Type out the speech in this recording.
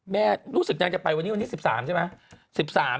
แม่รู้สึกนางจะไปวันนี้วันที่๑๓ใช่ไหม